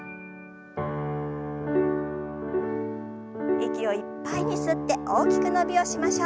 息をいっぱいに吸って大きく伸びをしましょう。